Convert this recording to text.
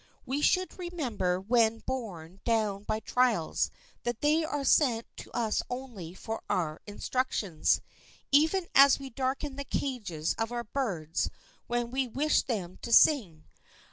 We should remember when borne down by trials that they are sent to us only for our instructions, even as we darken the cages of our birds when we wish them to sing.